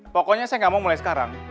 pokoknya saya nggak mau mulai sekarang